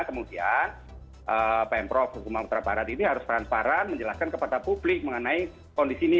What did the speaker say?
kemudian pemprov sumatera utara barat ini harus transparan menjelaskan kepada publik mengenai kondisi ini